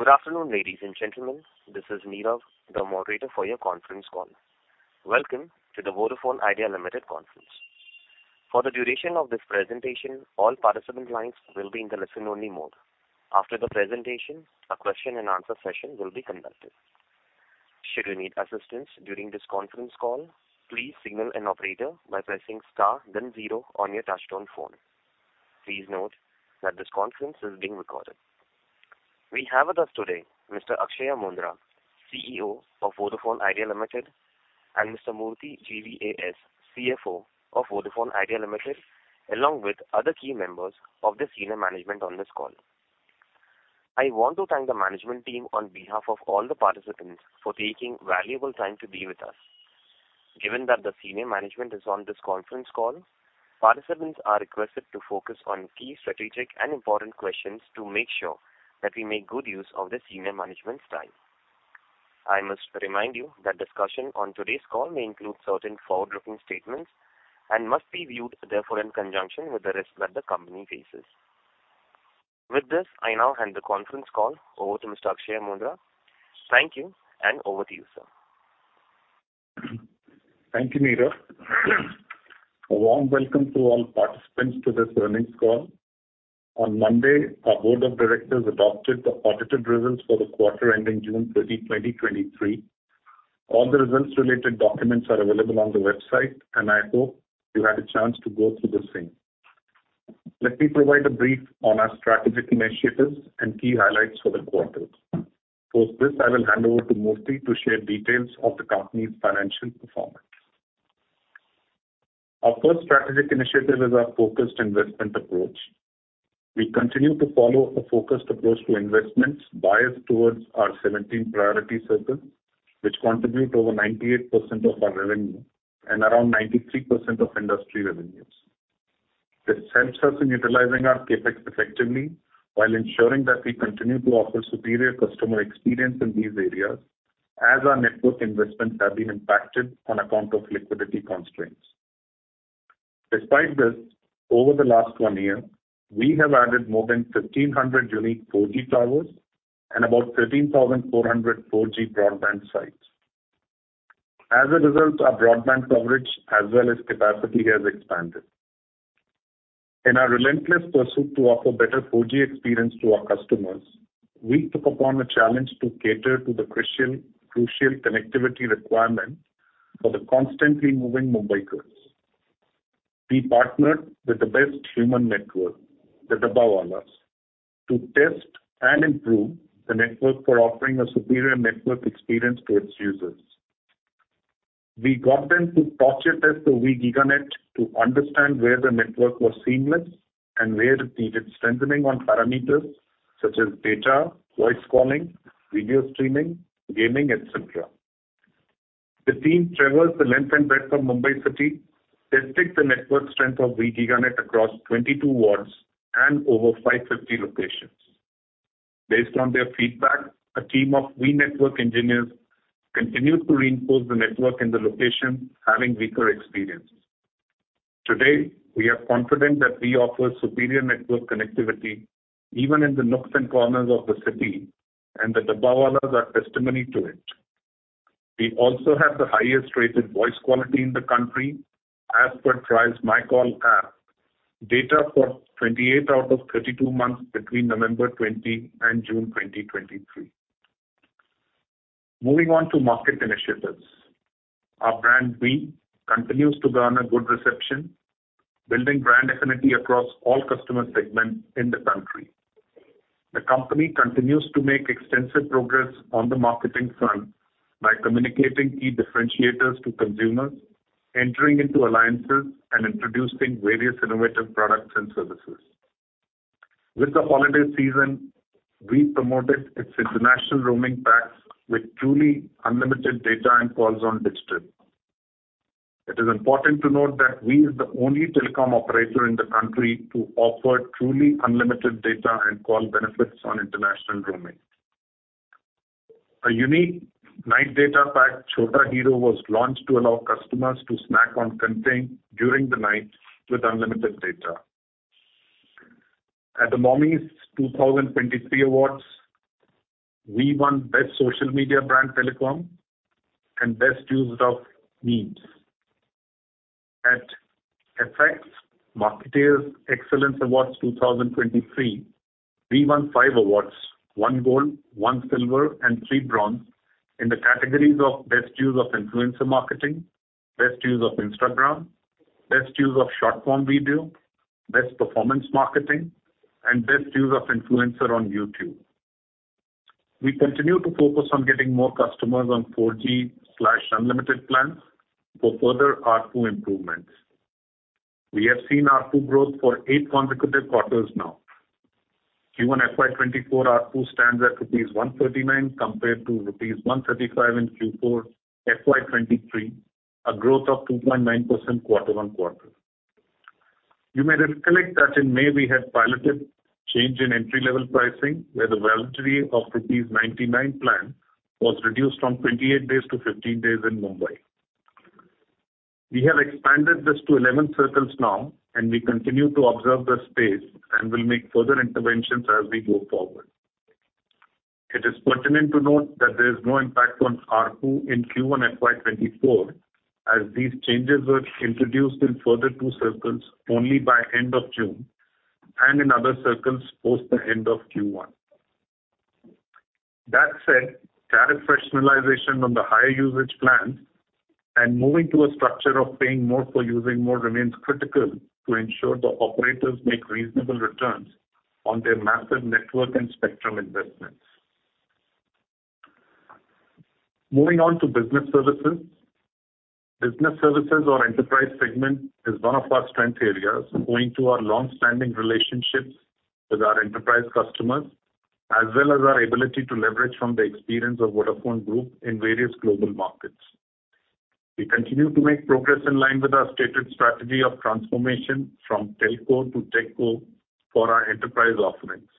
Good afternoon, ladies and gentlemen. This is Nirav, the moderator for your conference call. Welcome to the Vodafone Idea Limited Conference. For the duration of this presentation, all participant lines will be in the listen-only mode. After the presentation, a question and answer session will be conducted. Should you need assistance during this conference call, please signal an operator by pressing star then zero on your touchtone phone. Please note that this conference is being recorded. We have with us today Mr. Akshaya Moondra, CEO of Vodafone Idea Limited, and Mr. Murthy GVAS, CFO of Vodafone Idea Limited, along with other key members of the senior management on this call. I want to thank the management team on behalf of all the participants for taking valuable time to be with us. Given that the senior management is on this conference call, participants are requested to focus on key strategic and important questions to make sure that we make good use of the senior management's time. I must remind you that discussion on today's call may include certain forward-looking statements and must be viewed, therefore, in conjunction with the risks that the company faces. With this, I now hand the conference call over to Mr. Akshaya Moondra. Thank you, and over to you, sir. Thank you, Nirav. A warm welcome to all participants to this earnings call. On Monday, our board of directors adopted the audited results for the quarter ending June 30, 2023. All the results-related documents are available on the website, and I hope you had a chance to go through the same. Let me provide a brief on our strategic initiatives and key highlights for the quarter. Post this, I will hand over to Murthy to share details of the company's financial performance. Our first strategic initiative is our focused investment approach. We continue to follow a focused approach to investments biased towards our 17 priority circle, which contribute over 98% of our revenue and around 93% of industry revenues. This helps us in utilizing our CapEx effectively while ensuring that we continue to offer superior customer experience in these areas, as our network investments have been impacted on account of liquidity constraints. Despite this, over the last one year, we have added more than 1,300 unique 4G towers and about 13,400 4G broadband sites. As a result, our broadband coverage as well as capacity has expanded. In our relentless pursuit to offer better 4G experience to our customers, we took upon a challenge to cater to the crucial, crucial connectivity requirement for the constantly moving Mumbaikars. We partnered with the best human network, the Dabbawalas, to test and improve the network for offering a superior network experience to its users. We got them to torture test the Vi GigaNet to understand where the network was seamless and where it needed strengthening on parameters such as data, voice calling, video streaming, gaming, etc. The team traversed the length and breadth of Mumbai, testing the network strength of Vi GigaNet across 22 wards and over 550 locations. Based on their feedback, a team of Vi network engineers continued to reinforce the network in the location, having weaker experiences. Today, we are confident that we offer superior network connectivity even in the nooks and corners of the city, and the Dabbawalas are testimony to it. We also have the highest-rated voice quality in the country as per TRAI MyCall app, data for 28 out of 32 months between November 20 and June 2023. Moving on to market initiatives. Our brand, Vi, continues to garner good reception, building brand affinity across all customer segments in the country. The company continues to make extensive progress on the marketing front by communicating key differentiators to consumers, entering into alliances and introducing various innovative products and services. With the holiday season, Vi promoted its international roaming packs with truly unlimited data and calls on digital. It is important to note that Vi is the only telecom operator in the country to offer truly unlimited data and call benefits on international roaming. A unique night data pack, Vi Chhota Hero, was launched to allow customers to snack on content during the night with unlimited data. At the Mommys 2023 awards, Vi won Best Social Media Brand Telecom and Best Use of Memes. At e4m Marketers Excellence Awards 2023, Vi won five awards, one gold, one silver, and three bronze in the categories of Best Use of Influencer Marketing, Best Use of Instagram, Best Use of Short-Form Video, Best Performance Marketing, and Best Use of Influencer on YouTube. We continue to focus on getting more customers on 4G/UL plans for further ARPU improvements. We have seen ARPU growth for eight consecutive quarters now. Q1 FY 2024 ARPU stands at rupees 139, compared to rupees 135 in Q4 FY 2023, a growth of 2.9% quarter-on-quarter. You may recollect that in May, we had piloted change in entry-level pricing, where the validity of rupees 99 plan was reduced from 28 days to 15 days in Mumbai.... We have expanded this to 11 circles now, and we continue to observe the space, and will make further interventions as we go forward. It is pertinent to note that there is no impact on ARPU in Q1 FY 2024, as these changes were introduced in further two circles only by end of June, and in other circles post the end of Q1. That said, tariff rationalization on the higher usage plans and moving to a structure of paying more for using more, remains critical to ensure the operators make reasonable returns on their massive network and spectrum investments. Moving on to business services. Business services or enterprise segment is one of our strength areas, owing to our long-standing relationships with our enterprise customers, as well as our ability to leverage from the experience of Vodafone Group in various global markets. We continue to make progress in line with our stated strategy of transformation from telco to techco for our enterprise offerings.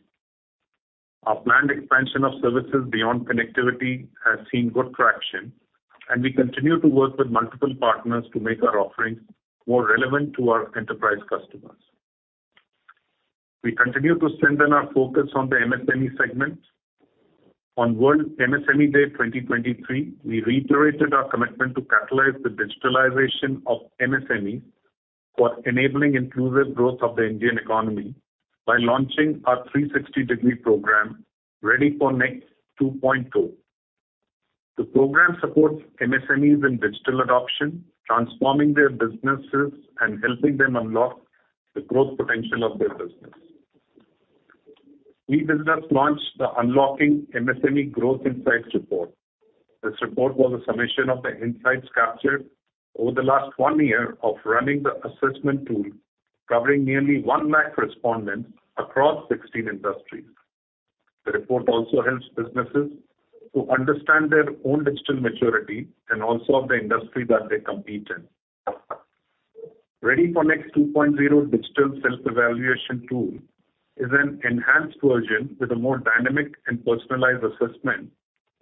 Our planned expansion of services beyond connectivity has seen good traction, and we continue to work with multiple partners to make our offerings more relevant to our enterprise customers. We continue to strengthen our focus on the MSME segment. On World MSME Day 2023, we reiterated our commitment to catalyze the digitalization of MSMEs for enabling inclusive growth of the Indian economy, by launching our 360-degree program, ReadyForNext 2.0. The program supports MSMEs in digital adoption, transforming their businesses, and helping them unlock the growth potential of their business. Vi Business launched the Unlocking MSME Growth Insights Report. This report was a summation of the insights captured over the last one year of running the assessment tool, covering nearly 100,000 respondents across 16 industries. The report also helps businesses to understand their own digital maturity and also of the industry that they compete in. ReadyForNext 2.0 digital self-evaluation tool is an enhanced version with a more dynamic and personalized assessment,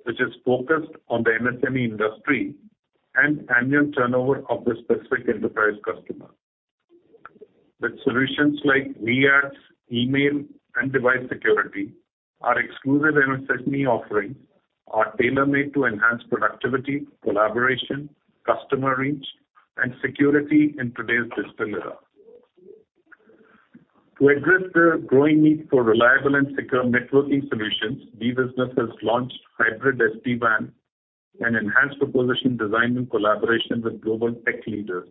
which is focused on the MSME industry and annual turnover of the specific enterprise customer. With solutions like Vi Ads, email, and device security, our exclusive MSME offering are tailor-made to enhance productivity, collaboration, customer reach, and security in today's digital era. To address the growing need for reliable and secure networking solutions, Vi Business has launched Hybrid SD-WAN, an enhanced proposition designed in collaboration with global tech leaders.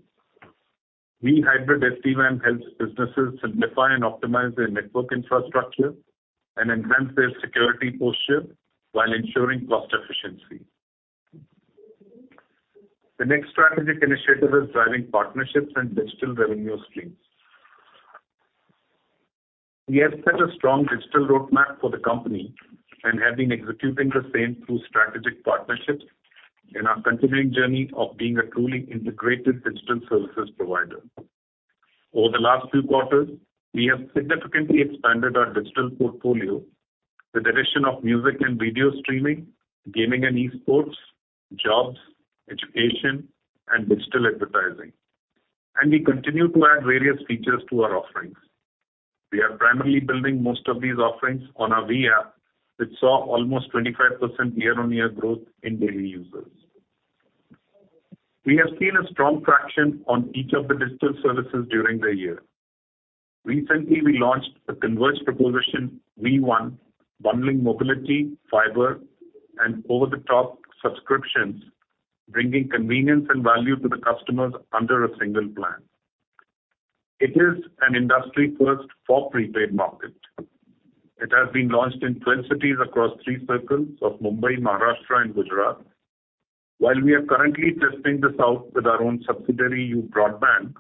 Vi Hybrid SD-WAN helps businesses simplify and optimize their network infrastructure and enhance their security posture while ensuring cost efficiency. The next strategic initiative is driving partnerships and digital revenue streams. We have set a strong digital roadmap for the company and have been executing the same through strategic partnerships in our continuing journey of being a truly integrated digital services provider. Over the last few quarters, we have significantly expanded our digital portfolio with the addition of music and video streaming, gaming and e-sports, jobs, education, and digital advertising, and we continue to add various features to our offerings. We are primarily building most of these offerings on our Vi App, which saw almost 25% year-on-year growth in daily users. We have seen a strong traction on each of the digital services during the year. Recently, we launched the converged proposition, Vi One, bundling mobility, fiber, and over-the-top subscriptions, bringing convenience and value to the customers under a single plan. It is an industry first for prepaid market. It has been launched in twin cities across three circles of Mumbai, Maharashtra, and Gujarat. While we are currently testing this out with our own subsidiary, YOU Broadband,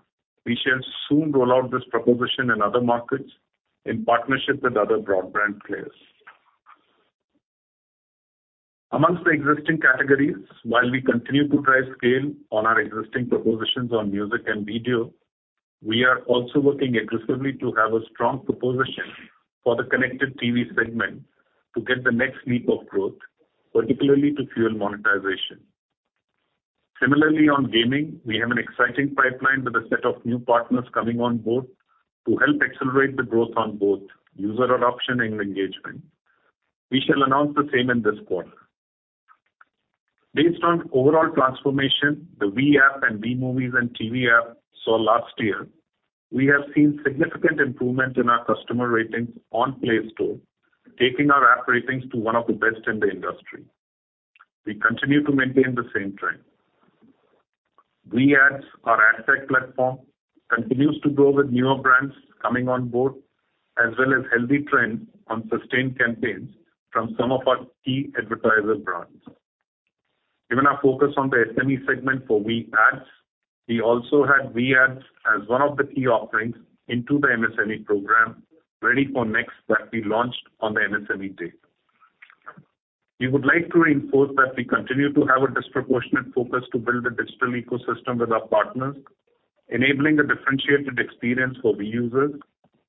we shall soon roll out this proposition in other markets in partnership with other broadband players. Amongst the existing categories, while we continue to drive scale on our existing propositions on music and video, we are also working aggressively to have a strong proposition for the Connected TV segment to get the next leap of growth, particularly to fuel monetization. Similarly, on gaming, we have an exciting pipeline with a set of new partners coming on board to help accelerate the growth on both user adoption and engagement. We shall announce the same in this quarter. Based on overall transformation, the Vi App and Vi Movies & TV app saw last year, we have seen significant improvement in our customer ratings on Play Store, taking our app ratings to 1 of the best in the industry. We continue to maintain the same trend. Vi Ads, our AdTech platform, continues to grow with newer brands coming on board, as well as healthy trends on sustained campaigns from some of our key advertiser brands. Given our focus on the SME segment for Vi Ads, we also had Vi Ads as 1 of the key offerings into the MSME program, ReadyForNext, that we launched on the MSME Day. We would like to reinforce that we continue to have a disproportionate focus to build a digital ecosystem with our partners-... enabling a differentiated experience for the users,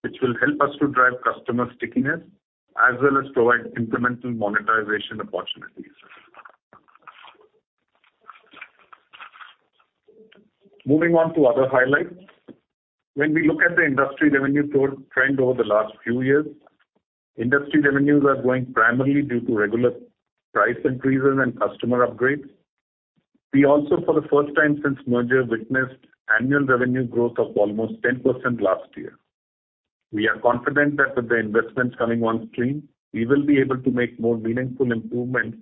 which will help us to drive customer stickiness as well as provide incremental monetization opportunities. Moving on to other highlights. When we look at the industry revenue growth trend over the last few years, industry revenues are growing primarily due to regular price increases and customer upgrades. We also, for the first time since merger, witnessed annual revenue growth of almost 10% last year. We are confident that with the investments coming on stream, we will be able to make more meaningful improvements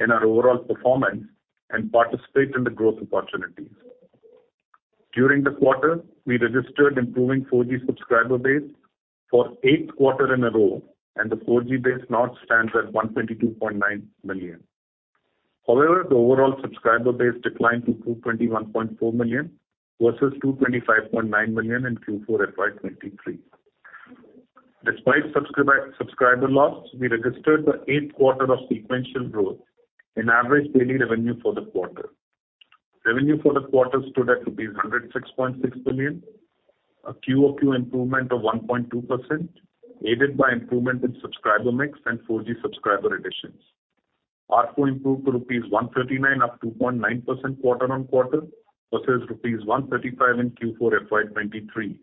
in our overall performance and participate in the growth opportunities. During the quarter, we registered improving 4G subscriber base for eighth quarter in a row, and the 4G base now stands at 122.9 million. However, the overall subscriber base declined to 221.4 million, versus 225.9 million in Q4 FY 2023. Despite subscriber loss, we registered the eighth quarter of sequential growth in average daily revenue for the quarter. Revenue for the quarter stood at 106.6 billion, a QOQ improvement of 1.2%, aided by improvement in subscriber mix and 4G subscriber additions. ARPU improved to rupees 139, up 0.9% quarter-on-quarter, versus rupees 135 in Q4 FY 2023,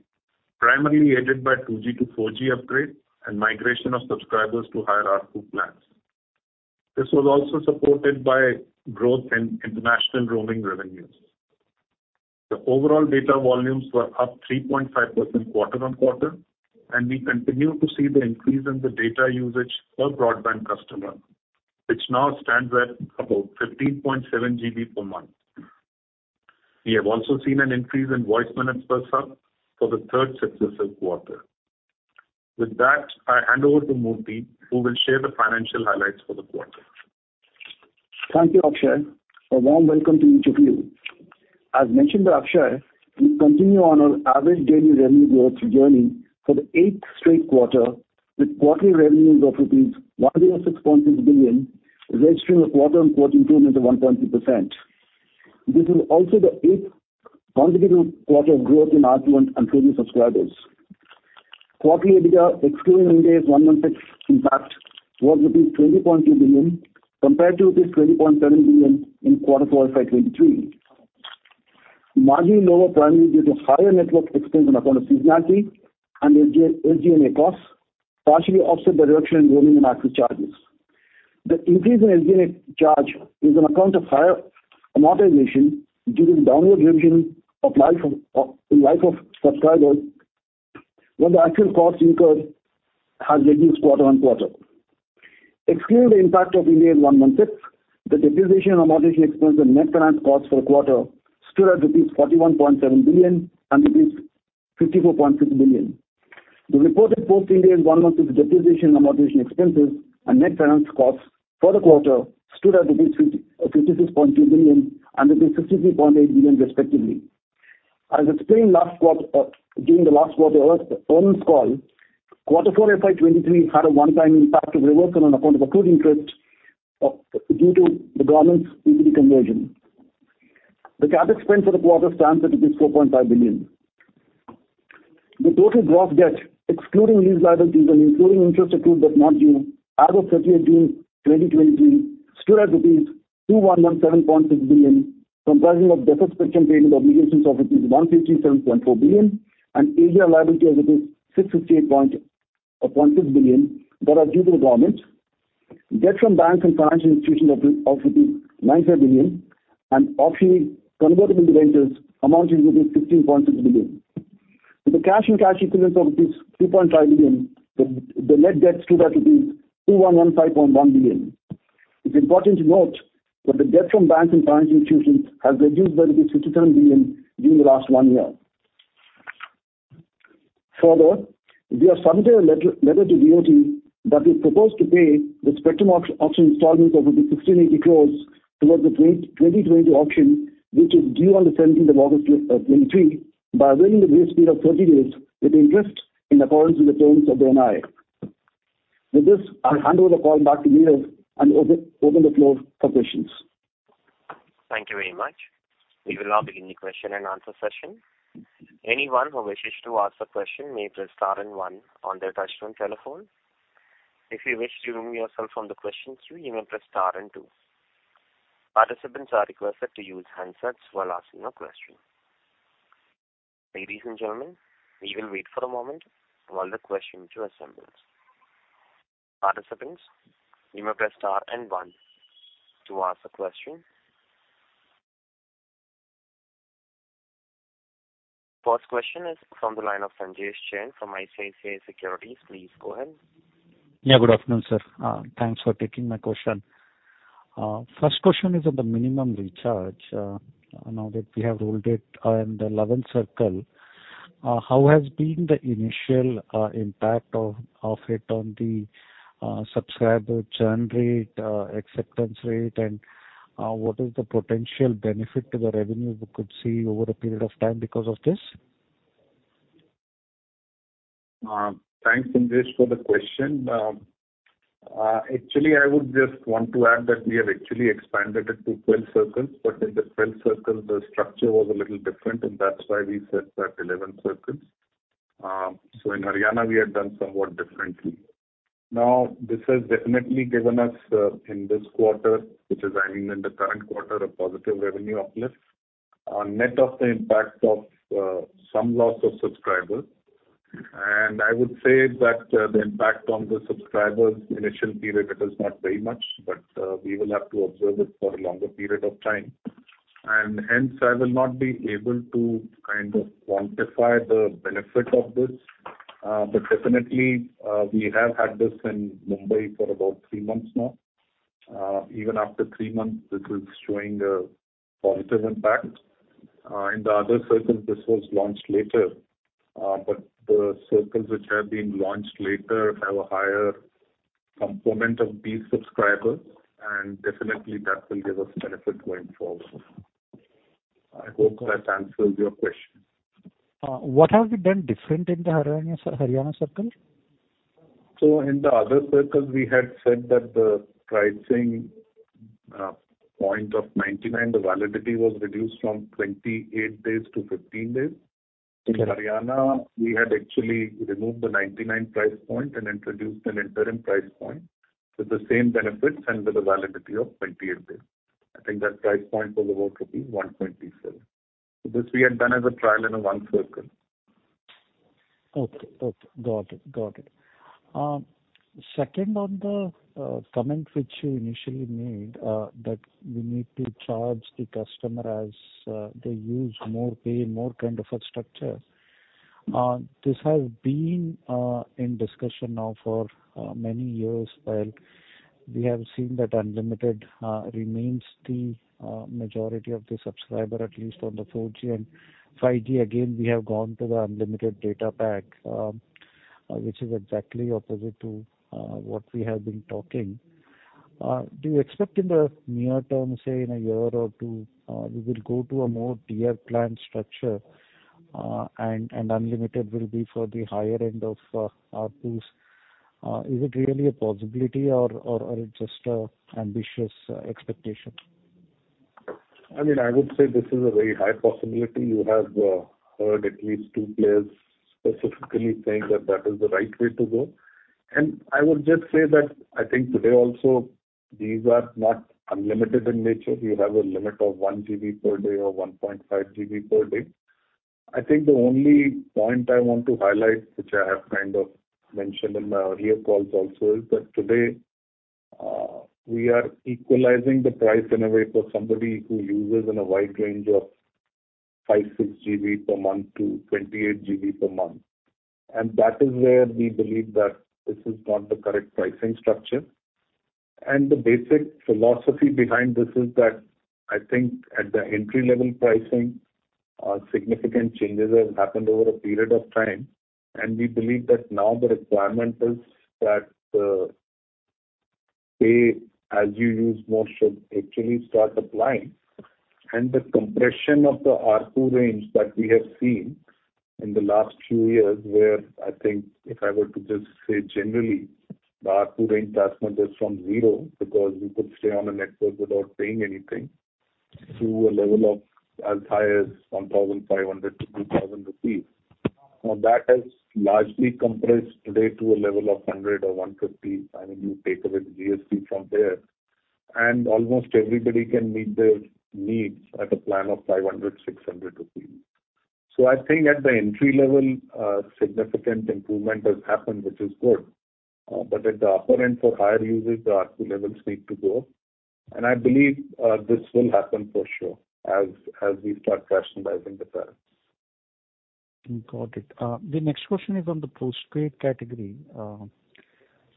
primarily aided by 2G to 4G upgrade and migration of subscribers to higher ARPU plans. This was also supported by growth in international roaming revenues. The overall data volumes were up 3.5% quarter-on-quarter, and we continue to see the increase in the data usage per broadband customer, which now stands at about 15.7 GB per month. We have also seen an increase in voice minutes per sub for the third successive quarter. With that, I hand over to Murthy, who will share the financial highlights for the quarter. Thank you, Akshaya. A warm welcome to each of you. As mentioned by Akshaya, we continue on our average daily revenue growth journey for the eighth straight quarter, with quarterly revenues of rupees 106.6 billion, registering a quarter-on-quarter improvement of 1.2%. This is also the eighth consecutive quarter of growth in ARPU and premium subscribers. Quarterly EBITDA, excluding Ind AS 116 impact, was 20.2 billion, compared to 20.7 billion in quarter four FY 2023. Margin lower, primarily due to higher network expense on account of seasonality and AGM costs, partially offset the reduction in roaming and access charges. The increase in AGM charge is on account of higher amortization due to the downward revision of life of the life of subscribers, when the actual costs incurred has reduced quarter-on-quarter. Excluding the impact of Ind AS 116, the depreciation and amortization expense and net finance costs for the quarter stood at rupees 41.7 billion and rupees 54.6 billion. The reported post-Ind AS 116 depreciation and amortization expenses and net finance costs for the quarter stood at rupees 56.2 billion and rupees 53.8 billion, respectively. As explained last quarter, during the last quarter earnings call, Q4 FY 2023 had a one-time impact of reversal on account of accrued interest due to the government's PPP conversion. The CapEx spend for the quarter stands at 4.5 billion. The total gross debt, excluding lease liabilities and including interest accrued but not due, as of June 30, 2023, stood at rupees 2,117.6 billion, comprising of deficit spectrum payment obligations of rupees 157.4 billion and Ind AS 116 liability of rupees 658.6 billion that are due to the government. Debt from banks and financial institutions of rupees 9 billion, and optionally convertible notes amounting to rupees 15.6 billion. With the cash and cash equivalents of 2.5 billion, the net debt stood at 2,115.1 billion. It's important to note that the debt from banks and financial institutions has reduced by 67 billion during the last one year. Further, we have submitted a letter, letter to DoT, that we propose to pay the spectrum auction, auction installments of 1,680 crore towards the 2020 auction, which is due on the 17th of August 2023, by waiving the grace period of 30 days, with interest in accordance with the terms of the notes. With this, I'll hand over the call back to Nirav and open, open the floor for questions. Thank you very much. We will now begin the question and answer session. Anyone who wishes to ask a question may press star and one on their touchtone telephone. If you wish to remove yourself from the question queue, you may press star and two. Participants are requested to use handsets while asking a question. Ladies and gentlemen, we will wait for a moment while the questions are assembled. Participants, you may press star and one to ask a question. First question is from the line of Sanjesh Jain from ICICI Securities. Please go ahead. Yeah, good afternoon, sir. Thanks for taking my question. First question is on the minimum recharge. Now that we have rolled it out in the 11th circle, how has been the initial impact of it on the subscriber churn rate, acceptance rate, and what is the potential benefit to the revenue we could see over a period of time because of this? Thanks, Sanjesh, for the question. Actually, I would just want to add that we have actually expanded it to 12 circles, but in the 12 circles, the structure was a little different, and that's why we said that 11 circles. In Haryana, we have done somewhat differently. This has definitely given us, in this quarter, which is, I mean, in the current quarter, a positive revenue uplift, on net of the impact of some loss of subscribers. I would say that the impact on the subscribers initial period, it is not very much, but we will have to observe it for a longer period of time. Hence, I will not be able to kind of quantify the benefit of this. But definitely, we have had this in Mumbai for about three months now. Even after three months, this is showing a positive impact. In the other circles, this was launched later, but the circles which have been launched later have a higher component of these subscribers, and definitely that will give us benefit going forward. I hope that answers your question. What have you done different in the Haryana, Haryana circle? In the other circles, we had said that the pricing point of 99, the validity was reduced from 28 days to 15 days. Okay. In Haryana, we had actually removed the 99 price point and introduced an interim price point with the same benefits and with a validity of 28 days. I think that price point was about 127. This we had done as a trial in a one circle. Okay. Okay. Got it. Got it. Second, on the comment which you initially made, that we need to charge the customer as they use more, pay more kind of a structure. This has been in discussion now for many years, while we have seen that unlimited remains the majority of the subscriber, at least on the 4G and 5G. Again, we have gone to the unlimited data pack, which is exactly opposite to what we have been talking. Do you expect in the near term, say, in a year or 2, we will go to a more tier plan structure, and and unlimited will be for the higher end of ARPUs? Is it really a possibility or or or it's just ambitious expectation? I mean, I would say this is a very high possibility. You have heard at least two players specifically saying that that is the right way to go. I would just say that I think today also, these are not unlimited in nature. You have a limit of 1 GB per day or 1.5 GB per day. I think the only point I want to highlight, which I have kind of mentioned in my earlier calls also, is that today, we are equalizing the price in a way for somebody who uses in a wide range of 5, 6 GB per month to 28 GB per month. That is where we believe that this is not the correct pricing structure. The basic philosophy behind this is that I think at the entry-level pricing, significant changes have happened over a period of time, and we believe that now the requirement is that, pay as you use more should actually start applying. The compression of the ARPU range that we have seen in the last few years, where I think if I were to just say generally, the ARPU range has gone just from zero, because you could stay on a network without paying anything, to a level of as high as 1,500-2,000 rupees. That has largely compressed today to a level of 100 or 150. I mean, you take away the GST from there, and almost everybody can meet their needs at a plan of 500, 600 rupees. I think at the entry level, significant improvement has happened, which is good, but at the upper end for higher users, the ARPU levels need to go up. I believe, this will happen for sure, as, as we start personalizing the tariffs. Got it. The next question is on the postpaid category.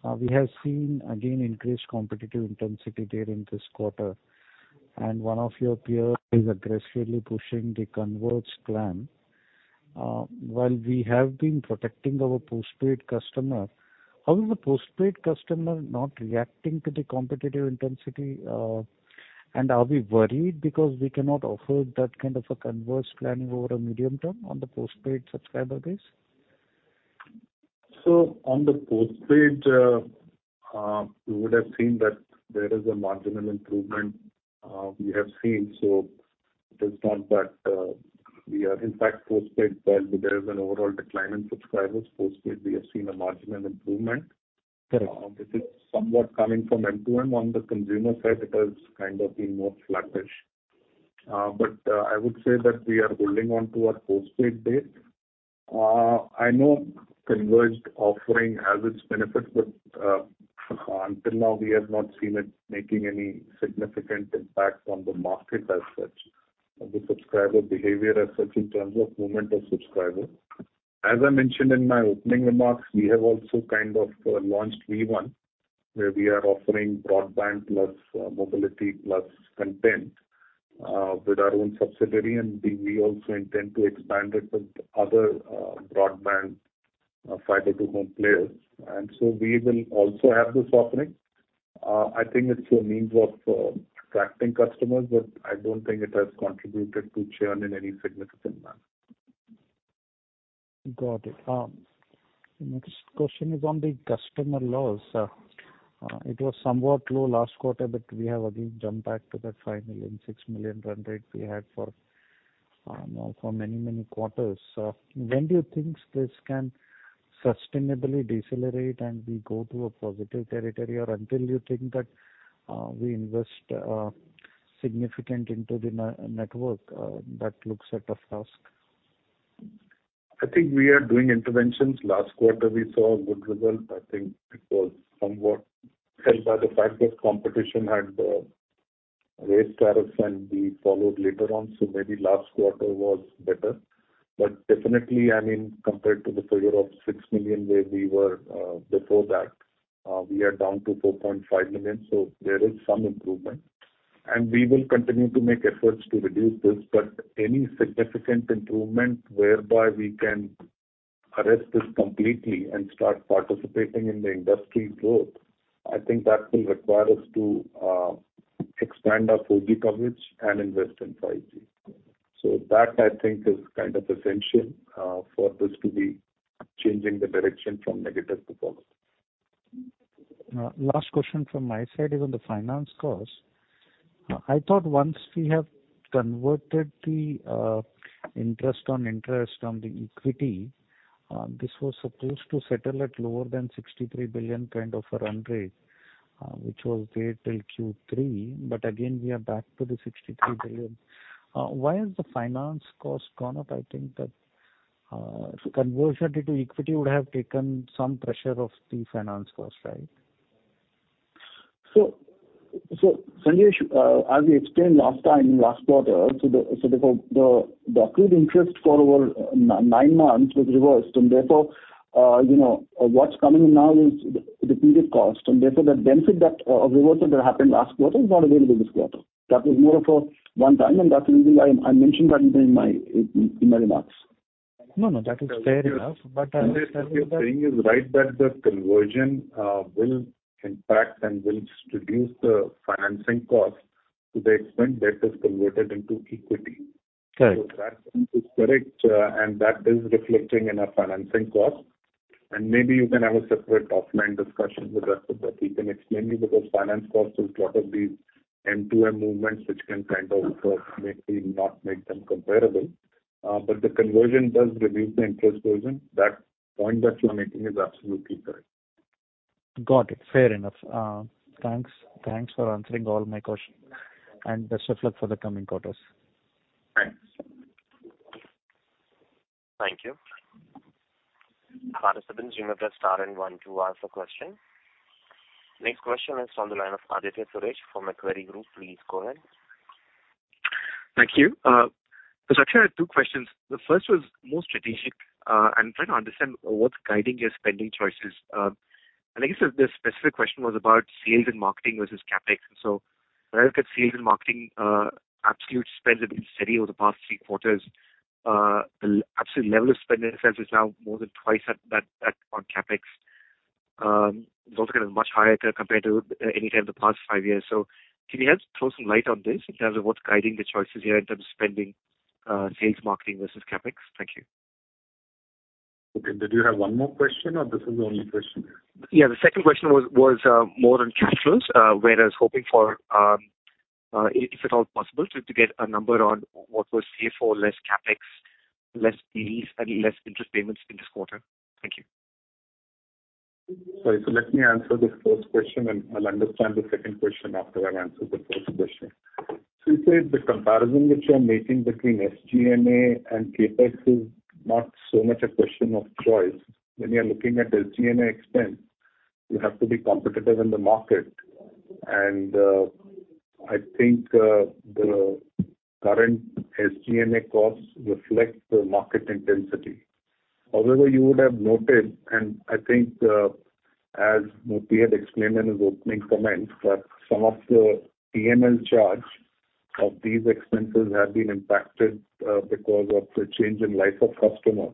We have seen again, increased competitive intensity there in this quarter, and one of your peers is aggressively pushing the converged plan. While we have been protecting our postpaid customer, how is the postpaid customer not reacting to the competitive intensity? Are we worried because we cannot offer that kind of a converged plan over a medium term on the postpaid subscriber base? On the postpaid, you would have seen that there is a marginal improvement, we have seen. It is not that, we are impact postpaid, but there is an overall decline in subscribers. Postpaid, we have seen a marginal improvement. Yeah. This is somewhat coming from M2M. On the consumer side, it has kind of been more sluggish. I would say that we are holding on to our postpaid base. I know converged offering has its benefits, but until now, we have not seen it making any significant impact on the market as such, on the subscriber behavior as such, in terms of movement of subscribers. As I mentioned in my opening remarks, we have also kind of launched Vi One, where we are offering broadband plus mobility plus content with our own subsidiary, and we, we also intend to expand it with other broadband Fiber to the Home players. We will also have this offering. I think it's a means of attracting customers, but I don't think it has contributed to churn in any significant manner. Got it. Next question is on the customer loss. It was somewhat low last quarter, but we have again jumped back to that 5 million, 6 million run rate we had for now for many, many quarters. When do you think this can sustainably decelerate, and we go to a positive territory, or until you think that we invest significant into the network, that looks at a task? I think we are doing interventions. Last quarter, we saw a good result. I think it was somewhat helped by the fact that competition had raised tariffs, and we followed later on, so maybe last quarter was better. Definitely, I mean, compared to the figure of 6 million, where we were before that, we are down to 4.5 million, so there is some improvement. We will continue to make efforts to reduce this, but any significant improvement whereby we can arrest this completely and start participating in the industry growth, I think that will require us to expand our 4G coverage and invest in 5G. That, I think, is kind of essential for this to be changing the direction from negative to positive. Last question from my side is on the finance cost. I thought once we have converted the interest on interest on the equity, this was supposed to settle at lower than 63 billion, kind of, run rate, which was there till Q3, but again, we are back to the 63 billion. Why has the finance cost gone up? I think that conversion into equity would have taken some pressure off the finance cost, right? Sanjesh, as we explained last time, last quarter, accrued interest for over nine months was reversed, and therefore, you know, what's coming in now is the repeated cost, and therefore, the benefit that of reversal that happened last quarter is not available this quarter. That was more of a one time, and that's the reason I mentioned that in my remarks. No, no, that is fair enough, but. What you're saying is right, that the conversion, will impact and will reduce the financing cost to the extent debt is converted into equity. Right. That is correct, and that is reflecting in our financing cost. Maybe you can have a separate offline discussion with us, so that we can explain you, because finance costs is lot of these end-to-end movements, which can kind of, maybe not make them comparable. But the conversion does reduce the interest version. That point that you're making is absolutely correct. Got it. Fair enough. Thanks, thanks for answering all my questions. Best of luck for the coming quarters. Thanks. Thank you. Participants, you may press star and one to ask a question. Next question is on the line of Aditya Suresh from Macquarie Group. Please go ahead. Thank you. Actually I have two questions. The first was more strategic. I'm trying to understand what's guiding your spending choices. I guess the specific question was about sales and marketing versus CapEx. When I look at sales and marketing, absolute spend has been steady over the past three quarters. The absolute level of spend itself is now more than twice that on CapEx. It's also kind of much higher compared to any time in the past five years. Can you help throw some light on this, in terms of what's guiding the choices here in terms of spending, sales, marketing versus CapEx? Thank you. Okay. Did you have one more question, or this is the only question? Yeah, the second question was, was more on cash flows. Where I was hoping for, if at all possible, to get a number on what was CFO, less CapEx, less lease and less interest payments in this quarter. Thank you. Sorry. Let me answer this first question, and I'll understand the second question after I answer the first question. I say the comparison which you are making between SG&A and CapEx is not so much a question of choice. When you are looking at SG&A expense, you have to be competitive in the market. I think, as Murthy GVAS had explained in his opening comments, that some of the P&L charge of these expenses have been impacted because of the change in life of customer.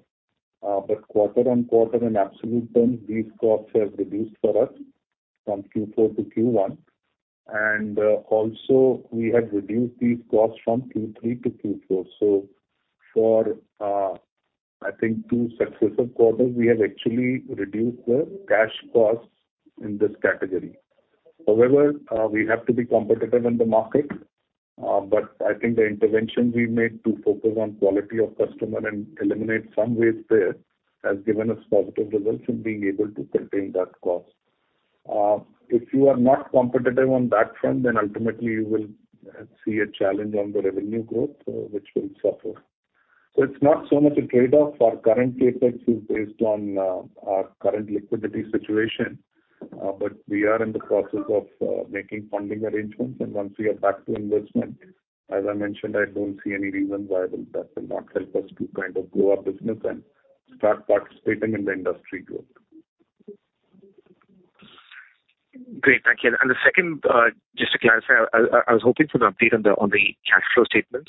But quarter-on-quarter in absolute terms, these costs have reduced for us from Q4 to Q1, and also we have reduced these costs from Q3 to Q4. For, I think two successive quarters, we have actually reduced the cash costs in this category. However, we have to be competitive in the market, but I think the interventions we've made to focus on quality of customer and eliminate some waste there, has given us positive results in being able to contain that cost. If you are not competitive on that front, then ultimately you will see a challenge on the revenue growth, which will suffer. It's not so much a trade-off. Our current CapEx is based on our current liquidity situation, but we are in the process of making funding arrangements, and once we are back to investment, as I mentioned, I don't see any reason why that will not help us to kind of grow our business and start participating in the industry growth. Great, thank you. The second, just to clarify, I, I, I was hoping for an update on the, on the cash flow statement.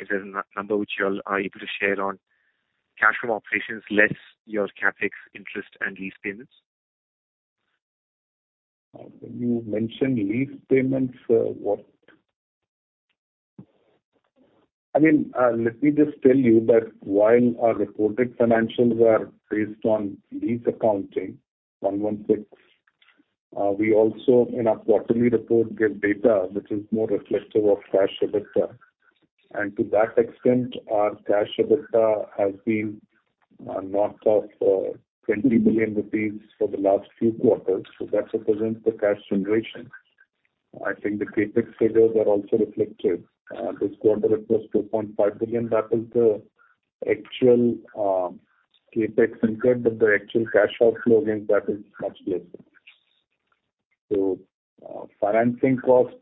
Is there a number which you all are able to share on cash from operations less your CapEx interest and lease payments? When you mention lease payments, I mean, let me just tell you that while our reported financials are based on lease accounting, 116, we also in our quarterly report give data which is more reflective of cash EBITDA. To that extent, our cash EBITDA has been north of 20 billion rupees for the last few quarters. That represents the cash generation. I think the CapEx figures are also reflective. This quarter it was 2.5 billion. That is the actual CapEx incurred, but the actual cash outflow against that is much less. Financing cost,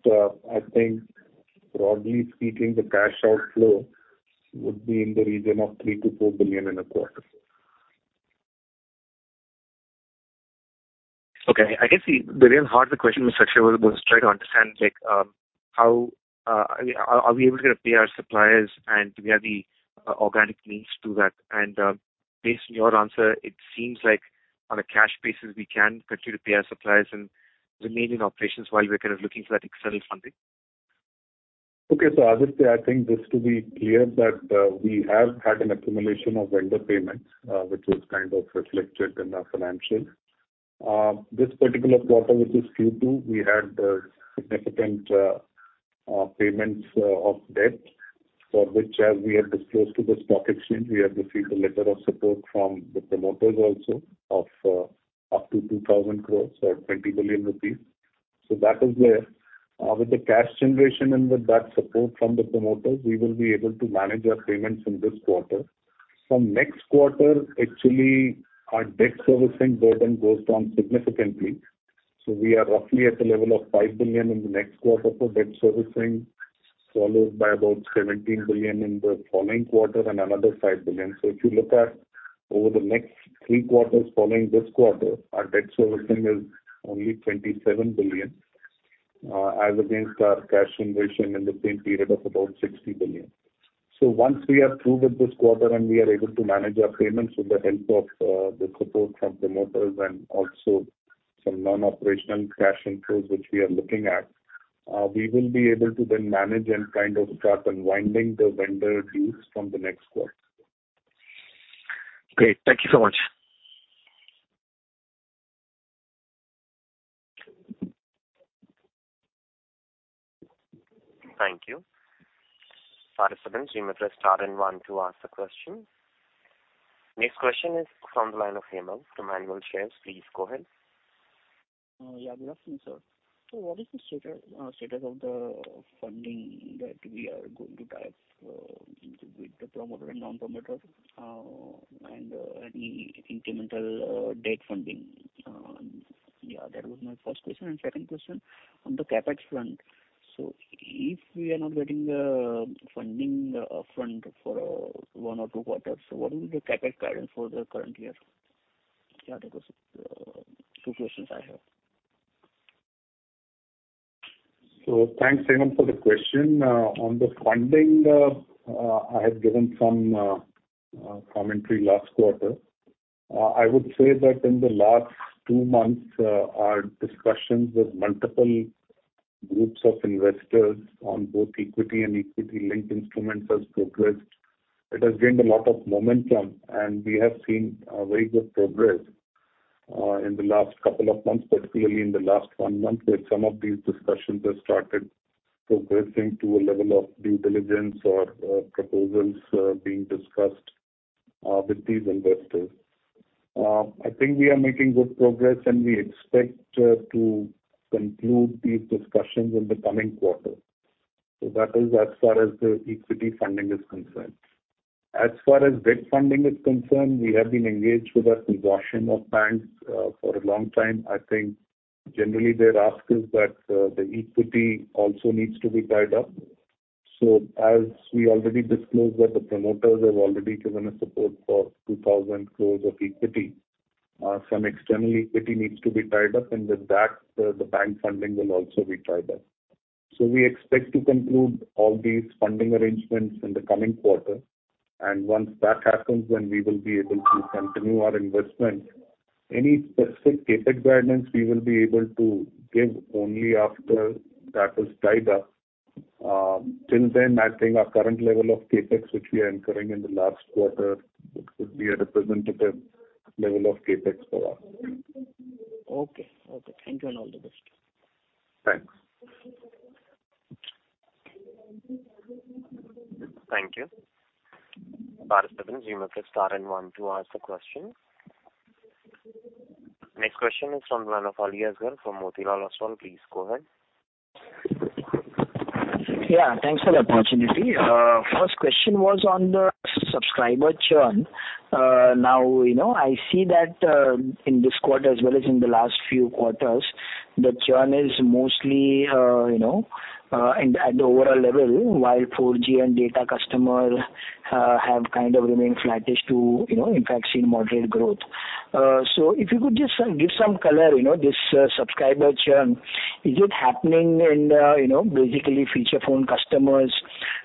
I think broadly speaking, the cash outflow would be in the region of 3 billion-4 billion in a quarter. Okay. I guess the, the real heart of the question, Mr. Akshay, was to try to understand, like, how, I mean, are, are we able to pay our suppliers and do we have the organic means to do that? Based on your answer, it seems like on a cash basis, we can continue to pay our suppliers and remain in operations while we're kind of looking for that external funding. Okay. I would say, I think just to be clear, that, we have had an accumulation of vendor payments, which was kind of reflected in our financials. This particular quarter, which is Q2, we had, significant, payments, of debt, for which, as we have disclosed to the stock exchange, we have received a letter of support from the promoters also of, up to 2,000 crore, so 20 billion rupees. That is where, with the cash generation and with that support from the promoters, we will be able to manage our payments in this quarter. From next quarter, actually, our debt servicing burden goes down significantly. We are roughly at a level of 5 billion in the next quarter for debt servicing, followed by about 17 billion in the following quarter and another 5 billion. If you look at over the next three quarters following this quarter, our debt servicing is only 27 billion, as against our cash generation in the same period of about 60 billion. Once we are through with this quarter and we are able to manage our payments with the help of the support from promoters and also some non-operational cash inflows, which we are looking at, we will be able to then manage and kind of start unwinding the vendor dues from the next quarter. Great. Thank you so much. Thank you. Participant, press star one to ask the question. Next question is from the line of Hemal from Nirmal Shares. Please go ahead. Yeah, good afternoon, sir. What is the status, status of the funding that we are going to tie up, with the promoter and non-promoter, and any incremental, debt funding? Yeah, that was my first question. Second question on the CapEx front. If we are not getting the funding, front for, one or two quarters, what is the CapEx guidance for the current year? Yeah, that was, two questions I have. Thanks, Hemal, for the question. On the funding, I had given some commentary last quarter. I would say that in the last two months, our discussions with multiple groups of investors on both equity and equity-linked instruments has progressed. It has gained a lot of momentum, and we have seen very good progress in the last couple of months, particularly in the last one month, where some of these discussions have started progressing to a level of due diligence or proposals being discussed with these investors. I think we are making good progress, and we expect to conclude these discussions in the coming quarter. That is as far as the equity funding is concerned. As far as debt funding is concerned, we have been engaged with a consortium of banks for a long time. I think generally their ask is that the equity also needs to be tied up. As we already disclosed that the promoters have already given a support for 2,000 crore of equity, some external equity needs to be tied up, and with that, the bank funding will also be tied up. We expect to conclude all these funding arrangements in the coming quarter, and once that happens, then we will be able to continue our investment. Any specific CapEx guidance we will be able to give only after that is tied up. Till then, I think our current level of CapEx, which we are incurring in the last quarter, it could be a representative level of CapEx for us. Okay. Okay. Thank you, and all the best. Thanks. Thank you. Participant, you may press star and one to ask the question. Next question is from the line of Aliasgar from Motilal Oswal. Please go ahead. Yeah, thanks for the opportunity. First question was on the subscriber churn. Now, you know, I see that, in this quarter, as well as in the last few quarters, the churn is mostly, you know, and at the overall level, while 4G and data customer, have kind of remained flattish to, you know, in fact, seen moderate growth. If you could just give some color, you know, this subscriber churn, is it happening in the, you know, basically feature phone customers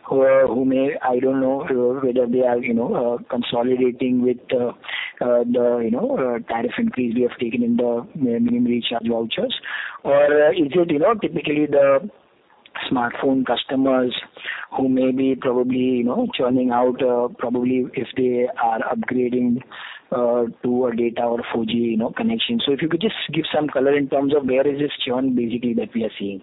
who are, who may, I don't know, whether they are, you know, consolidating with the, the, you know, tariff increase we have taken in the minimum recharge vouchers? Is it, you know, typically the smartphone customers who may be probably, you know, churning out, probably if they are upgrading, to a data or 4G, you know, connection? If you could just give some color in terms of where is this churn basically that we are seeing?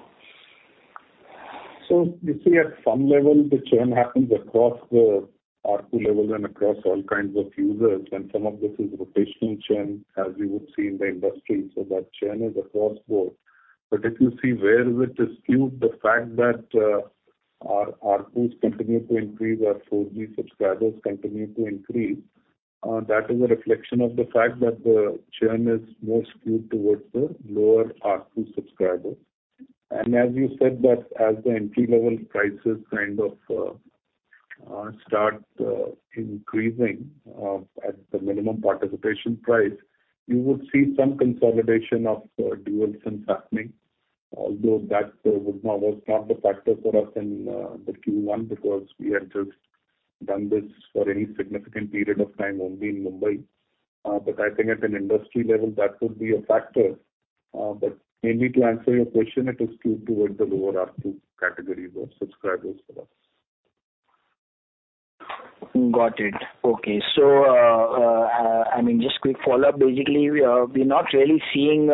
You see, at some level, the churn happens across the ARPU level and across all kinds of users, and some of this is rotational churn, as you would see in the industry. That churn is across board. If you see where it is skewed, the fact that our ARPUs continue to increase, our 4G subscribers continue to increase, that is a reflection of the fact that the churn is more skewed towards the lower ARPU subscribers. As you said that, as the entry-level prices kind of start increasing, at the minimum participation price, you would see some consolidation of duos and happening. Although that was not, was not the factor for us in the Q1, because we had just done this for any significant period of time only in Mumbai. I think at an industry level, that could be a factor, but mainly to answer your question, it is skewed towards the lower ARPU categories of subscribers for us. Got it. Okay. I mean, just quick follow-up. Basically, we are, we're not really seeing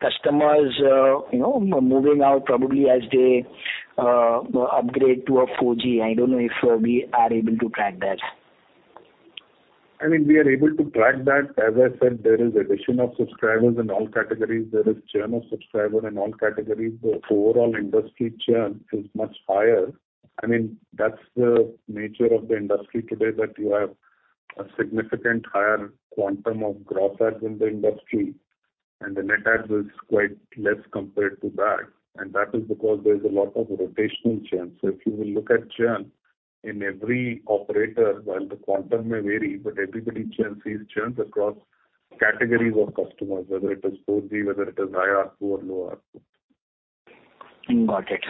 customers, you know, moving out probably as they upgrade to a 4G. I don't know if we are able to track that. I mean, we are able to track that. As I said, there is addition of subscribers in all categories. There is churn of subscriber in all categories. The overall industry churn is much higher. I mean, that's the nature of the industry today, that you have a significant higher quantum of gross adds in the industry, and the net adds is quite less compared to that, and that is because there is a lot of rotational churn. If you will look at churn in every operator, while the quantum may vary, but everybody churns, sees churns across categories of customers, whether it is 4G, whether it is high ARPU or low ARPU. Got it.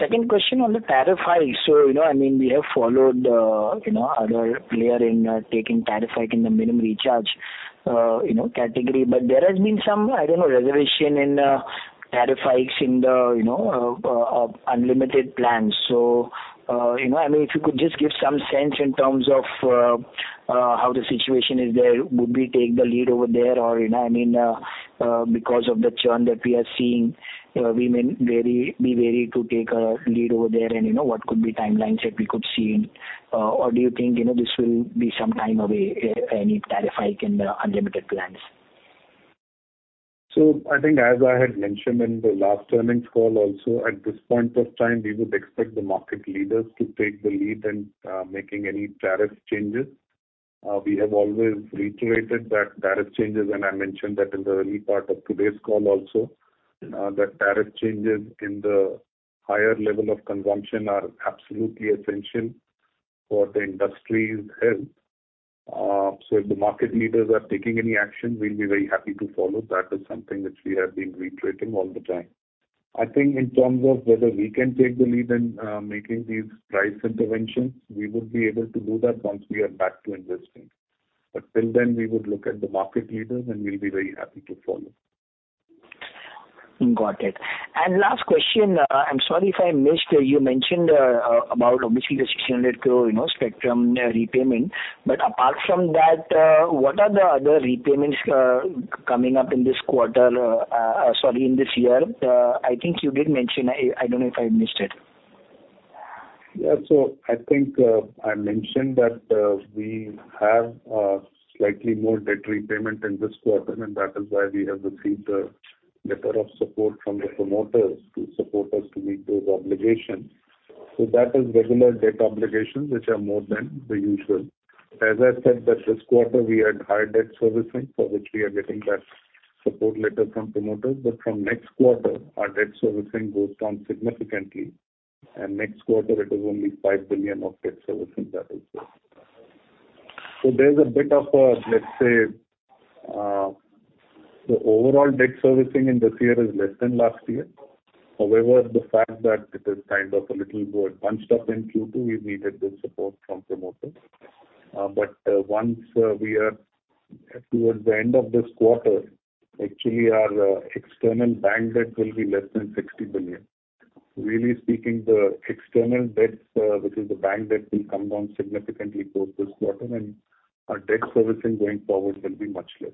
Second question on the tariff hike? You know, I mean, we have followed the, you know, other player in taking tariff hike in the minimum recharge, you know, category. There has been some, I don't know, reservation in tariff hikes in the, you know, unlimited plans. You know, I mean, if you could just give some sense in terms of how the situation is there? Would we take the lead over there or, you know, I mean, because of the churn that we are seeing, we may be wary to take a lead over there and you know, what could be timelines that we could see? Do you think, you know, this will be some time away, any tariff hike in the unlimited plans? I think as I had mentioned in the last earnings call also, at this point of time, we would expect the market leaders to take the lead in making any tariff changes. We have always reiterated that tariff changes, and I mentioned that in the early part of today's call also, that tariff changes in the higher level of consumption are absolutely essential for the industry's health. If the market leaders are taking any action, we'll be very happy to follow. That is something which we have been reiterating all the time. I think in terms of whether we can take the lead in making these price interventions, we would be able to do that once we are back to investing. Till then, we would look at the market leaders, and we'll be very happy to follow. Got it. Last question, I'm sorry if I missed, you mentioned about obviously the 600 crore, you know, spectrum repayment. Apart from that, what are the other repayments coming up in this quarter, sorry, in this year? I think you did mention, I, I don't know if I missed it. Yeah. I think I mentioned that we have slightly more debt repayment in this quarter, and that is why we have received a letter of support from the promoters to support us to meet those obligations. That is regular debt obligations, which are more than the usual. As I said, that this quarter we had higher debt servicing, for which we are getting that support letter from promoters. From next quarter, our debt servicing goes down significantly, and next quarter it is only 5 billion of debt servicing that is there. There's a bit of a, let's say... The overall debt servicing in this year is less than last year. However, the fact that it is kind of a little more bunched up in Q2, we needed this support from promoters. Once we are towards the end of this quarter, actually, our external bank debt will be less than 60 billion. Really speaking, the external debts, which is the bank debt, will come down significantly post this quarter, and our debt servicing going forward will be much less.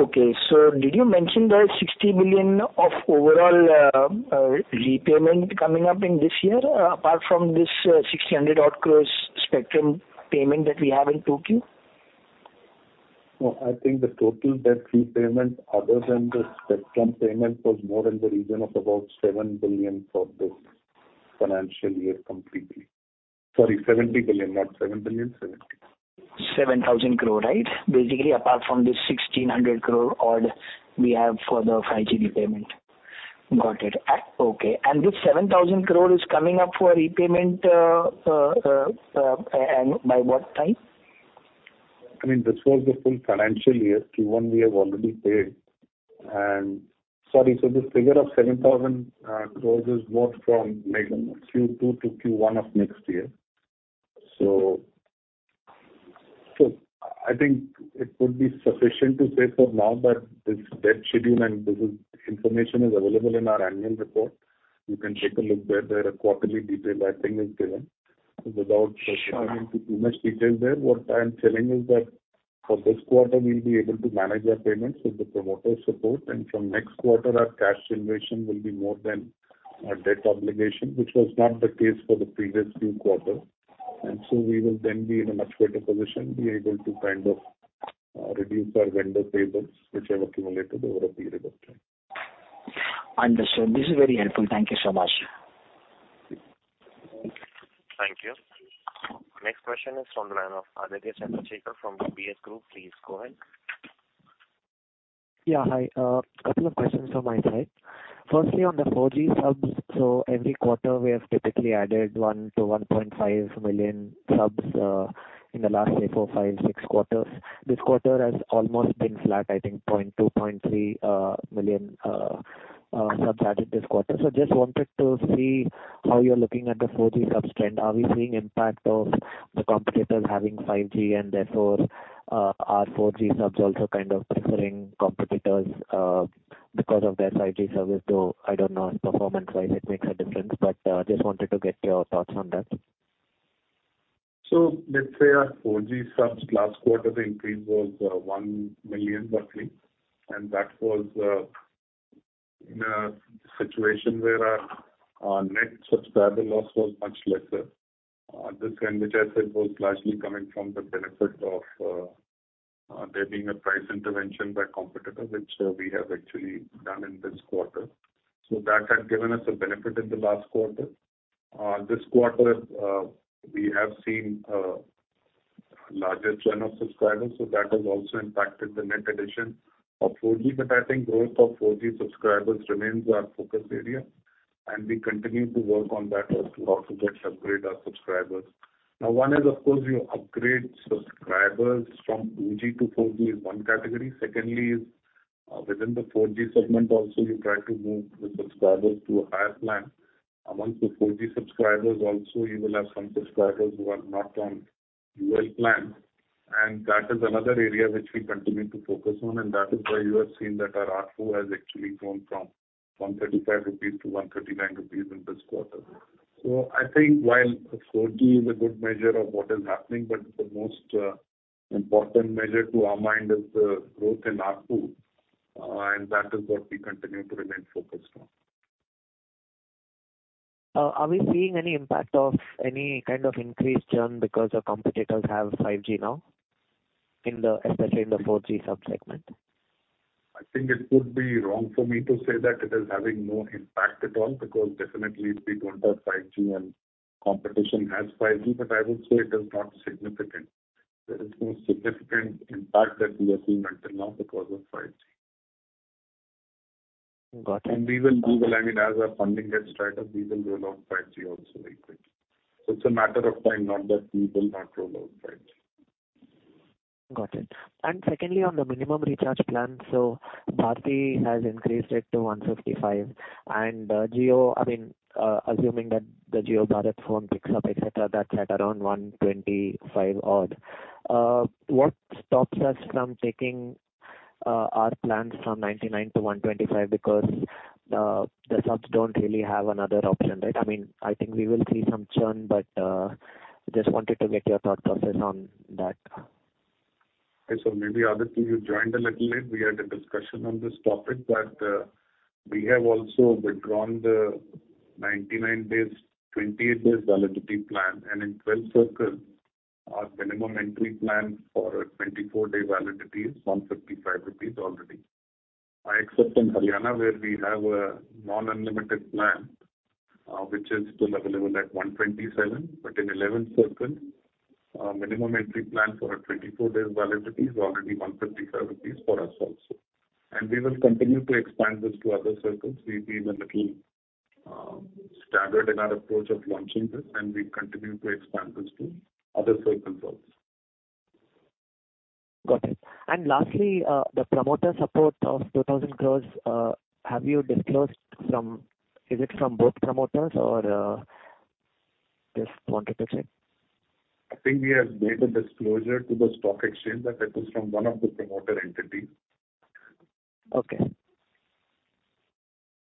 Okay, did you mention the 60 billion of overall repayment coming up in this year, apart from this 6,000 odd crores spectrum payment that we have in 2Q? No, I think the total debt repayment, other than the spectrum payment, was more in the region of about 7 billion for this financial year completely. Sorry, 70 billion, not 7 billion, 70 billion. 7,000 crore, right? Basically, apart from this 1,600 crore odd we have for the 5G repayment. Got it. Okay. This 7,000 crore is coming up for repayment, and by what time? I mean, this was the full financial year. Q1, we have already paid. Sorry, this figure of 7,000 crore is more from, like, Q2 to Q1 of next year. I think it would be sufficient to say for now that this debt schedule and this is information is available in our annual report. You can take a look there. There are quarterly detail, I think, is given. Without- Sure. Going into too much details there, what I'm saying is that for this quarter, we'll be able to manage our payments with the promoter support. From next quarter, our cash generation will be more than our debt obligation, which was not the case for the previous few quarters. So we will then be in a much better position, be able to kind of reduce our vendor payments, which have accumulated over a period of time. Understood. This is very helpful. Thank you so much. Thank you. Next question is from the line of Aditya Chandrasekar from UBS Group. Please go ahead. Yeah, hi. Couple of questions from my side. Firstly, on the 4G subs, every quarter we have typically added 1 to 1.5 million subs in the last, say, four, five, six quarters. This quarter has almost been flat, I think 0.2, 0.3 million subs added this quarter. Just wanted to see how you're looking at the 4G subs trend. Are we seeing impact of the competitors having 5G, therefore, our 4G subs also kind of preferring competitors because of their 5G service, though I don't know if performance-wise it makes a difference, but just wanted to get your thoughts on that? Let's say our 4G subs last quarter, the increase was 1 million, roughly, and that was in a situation where our, our net subscriber loss was much lesser. This trend, which I said, was largely coming from the benefit of there being a price intervention by competitor, which we have actually done in this quarter. That had given us a benefit in the last quarter. This quarter, we have seen larger churn of subscribers, that has also impacted the net addition of 4G. I think growth of 4G subscribers remains our focus area, and we continue to work on that as to how to just upgrade our subscribers. One is, of course, you upgrade subscribers from 2G to 4G is one category. Secondly is, within the 4G segment also, you try to move the subscribers to a higher plan. Among the 4G subscribers also, you will have some subscribers who are not on UL plan, and that is another area which we continue to focus on, and that is why you have seen that our ARPU has actually grown from 135-139 rupees in this quarter. I think while 4G is a good measure of what is happening, but the most important measure to our mind is the growth in ARPU, and that is what we continue to remain focused on. Are we seeing any impact of any kind of increased churn because the competitors have 5G now in the-- especially in the 4G sub-segment? I think it would be wrong for me to say that it is having no impact at all, because definitely we don't have 5G and competition has 5G, but I would say it is not significant. There is no significant impact that we have seen until now because of 5G. Got it. We will, we will, I mean, as our funding gets straight up, we will roll out 5G also very quick. It's a matter of time, not that we will not roll out 5G. Got it. Secondly, on the minimum recharge plan. Bharti has increased it to 155, and Jio, I mean, assuming that the JioBharat phone picks up, etc., that's at around 125 odd. What stops us from taking our plans from 99 to 125? Because the subs don't really have another option, right? I mean, I think we will see some churn, but just wanted to get your thought process on that. Maybe, Aditya, you joined a little late. We had a discussion on this topic, that we have also withdrawn the 99 days, 28 days validity plan. In 12 circles, our minimum entry plan for a 24-day validity is 155 rupees already. Except in Haryana, where we have a non-unlimited plan, which is still available at 127. In 11 circles, our minimum entry plan for a 24-day validity is already 155 rupees for us also. We will continue to expand this to other circles. We've been a little standard in our approach of launching this, and we continue to expand this to other circles also. Got it. Lastly, the promoter support of 2,000 crore, have you disclosed from... Is it from both promoters or, just 1%? I think we have made a disclosure to the stock exchange, that it is from one of the promoter entities. Okay.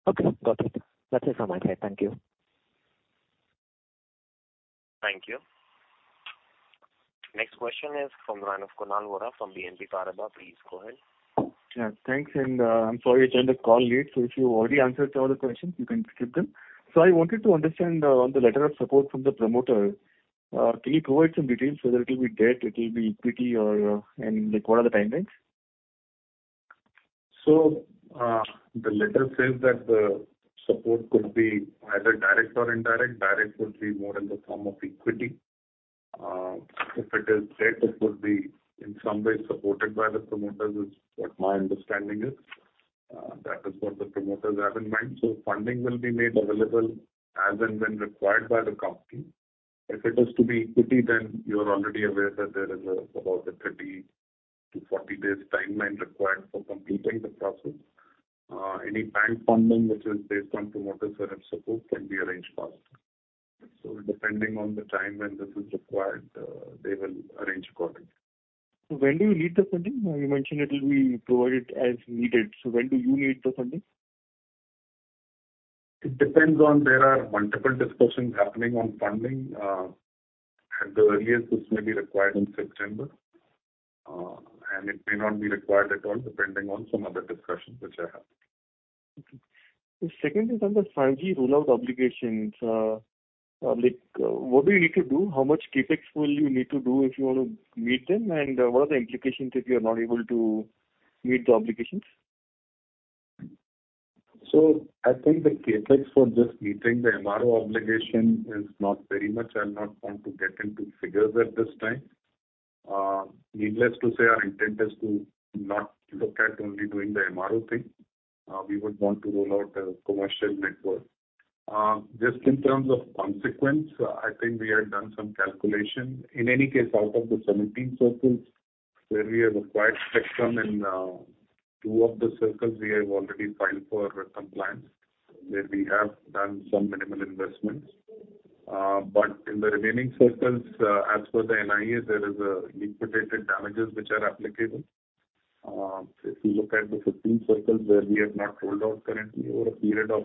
Okay, got it. That's it from my side. Thank you. Thank you. Next question is from the line of Kunal Vora from BNP Paribas. Please go ahead. Yeah, thanks. I'm sorry I joined the call late, so if you already answered all the questions, you can skip them. I wanted to understand, on the letter of support from the promoter, can you provide some details whether it will be debt, it will be equity, or, and, like, what are the timelines? The letter says that the support could be either direct or indirect. Direct would be more in the form of equity. If it is debt, it would be in some way supported by the promoters, is what my understanding is. That is what the promoters have in mind. Funding will be made available as and when required by the company. If it is to be equity, then you are already aware that there is a, about a 30-40 days timeline required for completing the process. Any bank funding, which is based on promoter share support, can be arranged fast. Depending on the time when this is required, they will arrange accordingly. When do you need the funding? You mentioned it will be provided as needed, so when do you need the funding? There are multiple discussions happening on funding. At the earliest, this may be required in September, it may not be required at all, depending on some other discussions which I have. Okay. The second is on the 5G rollout obligations. like, what do you need to do? How much CapEx will you need to do if you want to meet them, and what are the implications if you are not able to meet the obligations? I think the CapEx for just meeting the MRO obligation is not very much. I'll not want to get into figures at this time. Needless to say, our intent is to not look at only doing the MRO thing. We would want to roll out a commercial network. Just in terms of consequence, I think we have done some calculation. In any case, out of the 17 circles where we have acquired spectrum, in two of the circles, we have already filed for compliance, where we have done some minimal investments. But in the remaining circles, as per the NIA, there is a liquidated damages which are applicable. If you look at the 15 circles where we have not rolled out currently, over a period of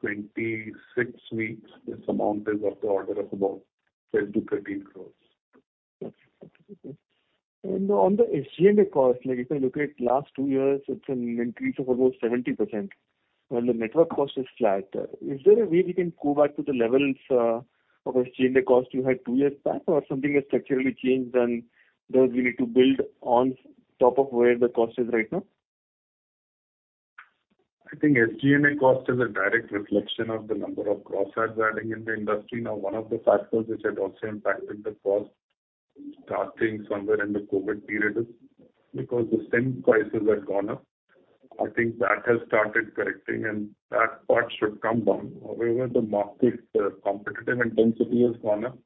26 weeks, this amount is of the order of about 10-13 crore. Okay. On the SG&A cost, like, if I look at last two years, it's an increase of almost 70%, while the network cost is flat. Is there a way we can go back to the levels of SG&A cost you had two years back, or something has structurally changed, and thus you need to build on top of where the cost is right now? I think SG&A cost is a direct reflection of the number of gross adds adding in the industry. One of the factors which had also impacted the cost, starting somewhere in the COVID period, is because the SIM prices had gone up. I think that has started correcting, and that part should come down. The market competitive intensity has gone up,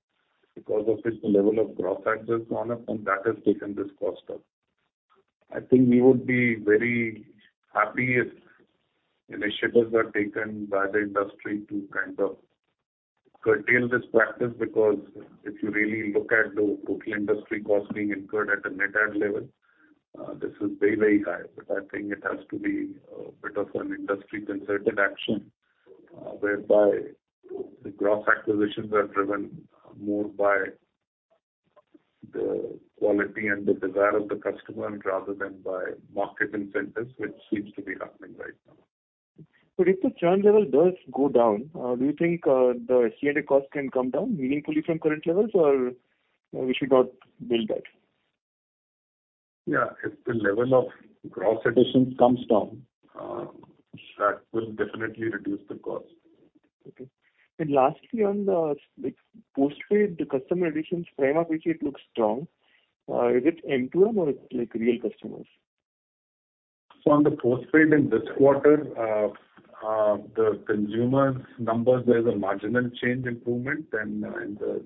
because of which the level of gross access has gone up, and that has taken this cost up. I think we would be very happy if initiatives are taken by the industry to kind of curtail this practice, because if you really look at the total industry cost being incurred at the net add level, this is very, very high. I think it has to be, bit of an industry-concerted action, whereby the gross acquisitions are driven more by the quality and the desire of the customer, rather than by market incentives, which seems to be happening right now. If the churn level does go down, do you think the SG&A cost can come down meaningfully from current levels, or we should not build that? Yeah, if the level of gross additions comes down, that will definitely reduce the cost. Okay. Lastly, on the, like, postpaid, the customer additions prima facie looks strong. Is it M2M or, like, real customers? On the postpaid in this quarter, the consumer numbers, there's a marginal change improvement, and the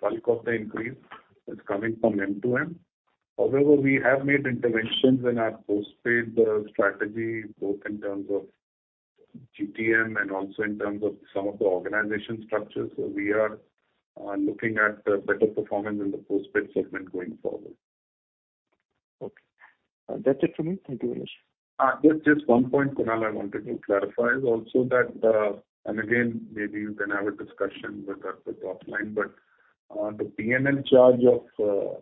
bulk of the increase is coming from M2M. However, we have made interventions in our postpaid strategy, both in terms of GTM and also in terms of some of the organization structures. We are looking at a better performance in the postpaid segment going forward. Okay. That's it for me. Thank you very much. Uh, just, just one point, Kunal, I wanted to clarify is also that, uh... And again, maybe you can have a discussion with us with offline, but, uh, the P&L charge of, uh,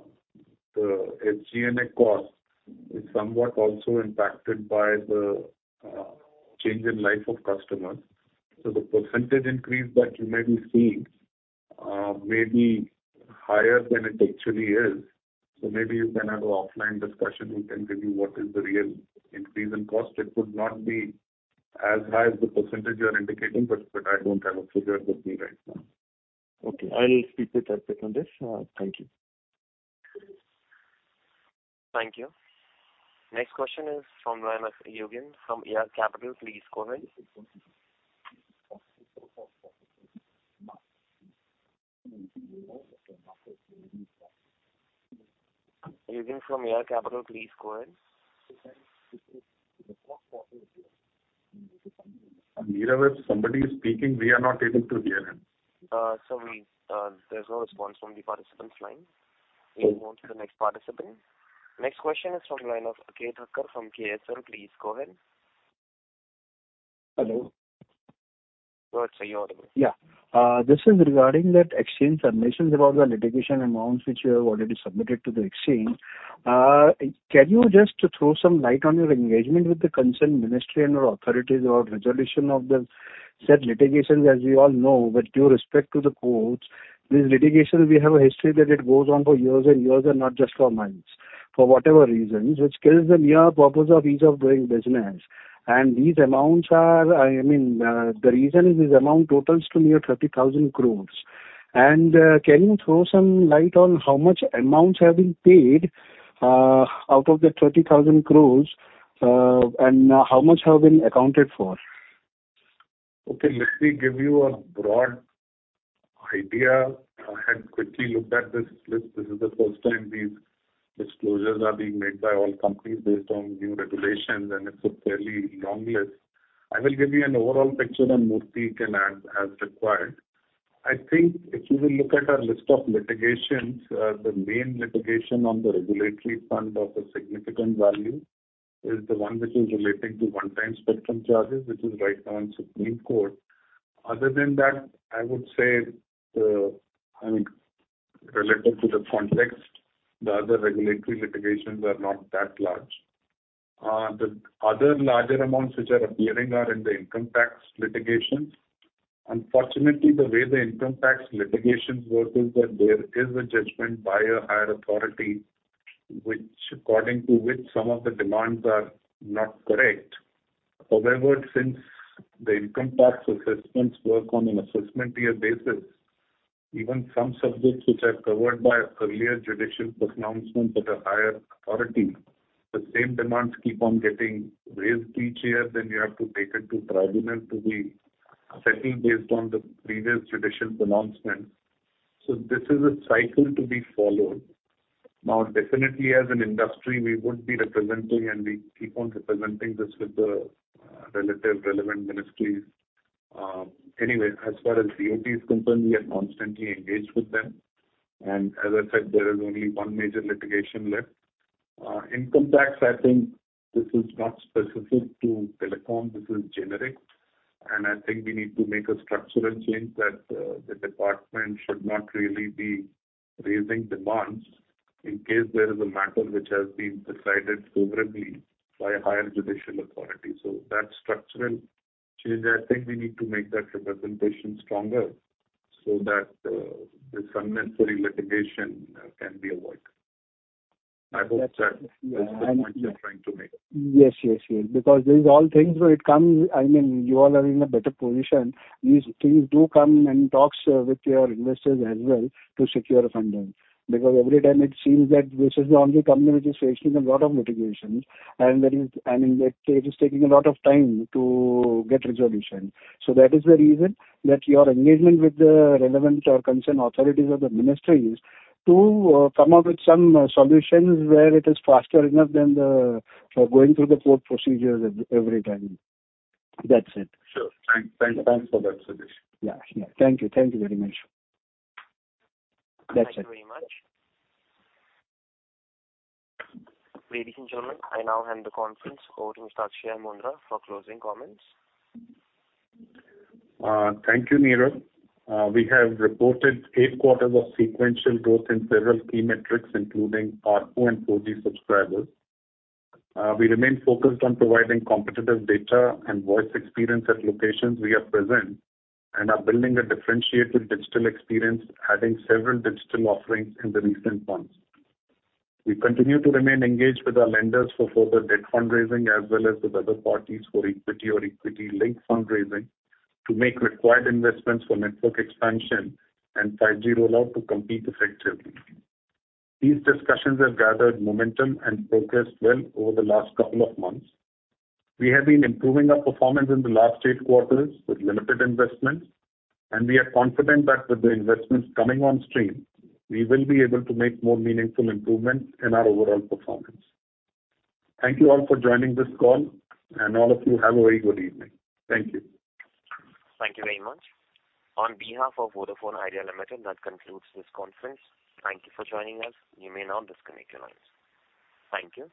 the SG&A cost is somewhat also impacted by the, uh, change in life of customers. So the percentage increase that you may be seeing, uh, may be higher than it actually is. So maybe you can have an offline discussion. We can give you what is the real increase in cost. It would not be as high as the percentage you are indicating, but, but I don't have a figure with me right now. Okay, I'll speak with our team on this. Thank you. Thank you. Next question is from the line of Eugen, from Ambit Capital. Please go ahead. Eugen from Ambit Capital, please go ahead. Nirav, if somebody is speaking, we are not able to hear him. We, there's no response from the participant's line. We'll move on to the next participant. Next question is from the line of Kate Tucker from KSL. Please go ahead. Hello. Go ahead, sir. You're audible. Yeah. This is regarding that exchange submissions about the litigation amounts, which you have already submitted to the exchange. Can you just throw some light on your engagement with the concerned ministry and/or authorities about resolution of the said litigations? As we all know, with due respect to the courts, these litigations, we have a history that it goes on for years and years and not just for months for whatever reasons, which kills the mere purpose of ease of doing business. These amounts are, I mean, the reason is this amount totals to near 30,000 crore. Can you throw some light on how much amounts have been paid out of the 30,000 crore and how much have been accounted for? Okay, let me give you a broad idea. I had quickly looked at this list. This is the first time these disclosures are being made by all companies based on new regulations, and it's a fairly long list. I will give you an overall picture, and Murthy can add as required. I think if you will look at our list of litigations, the main litigation on the regulatory front of a significant value is the one which is relating to one-time spectrum charges, which is right now in Supreme Court. Other than that, I would say the, I mean, related to the context, the other regulatory litigations are not that large. The other larger amounts which are appearing are in the income tax litigations. Unfortunately, the way the income tax litigations work is that there is a judgment by a higher authority, which according to which some of the demands are not correct. However, since the income tax assessments work on an assessment year basis, even some subjects which are covered by earlier judicial pronouncements at a higher authority, the same demands keep on getting raised each year. You have to take it to tribunal to be settled based on the previous judicial pronouncement. This is a cycle to be followed. Now, definitely as an industry, we would be representing and we keep on representing this with the relative relevant ministries. As far as DoT is concerned, we are constantly engaged with them, and as I said, there is only one major litigation left. Income tax, I think this is not specific to telecom, this is generic. I think we need to make a structural change that the department should not really be raising demands in case there is a matter which has been decided favorably by a higher judicial authority. That structural change, I think we need to make that representation stronger so that this unnecessary litigation can be avoided. I hope that is the point I'm trying to make. Yes, yes, yes, because these all things, when it comes, I mean, you all are in a better position. These things do come in talks with your investors as well to secure funding, because every time it seems that this is the only company which is facing a lot of litigations, and that is, and it is taking a lot of time to get resolution. That is the reason that your engagement with the relevant or concerned authorities or the ministries to come up with some solutions where it is faster enough than the going through the court procedures every time. That's it. Sure. Thank, thanks for that suggestion. Yeah, yeah. Thank you. Thank you very much. That's it. Thank you very much. Ladies and gentlemen, I now hand the conference over to Akshaya Moondra for closing comments. Thank you, Nirav. We have reported eight quarters of sequential growth in several key metrics, including ARPU and 4G subscribers. We remain focused on providing competitive data and voice experience at locations we are present, and are building a differentiated digital experience, adding several digital offerings in the recent months. We continue to remain engaged with our lenders for further debt fundraising, as well as with other parties for equity or equity-linked fundraising, to make required investments for network expansion and 5G rollout to compete effectively. These discussions have gathered momentum and progressed well over the last couple of months. We have been improving our performance in the last eight quarters with limited investments, and we are confident that with the investments coming on stream, we will be able to make more meaningful improvements in our overall performance. Thank you all for joining this call, and all of you have a very good evening. Thank you. Thank you very much. On behalf of Vodafone Idea Limited, that concludes this conference. Thank you for joining us. You may now disconnect your lines. Thank you.